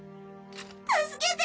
助けて！